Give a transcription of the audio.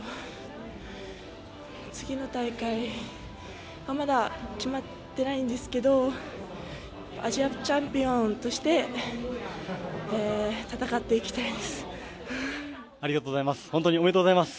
次の大会、まだ決まってないんですけどアジアチャンピオンとして戦っていきたいです。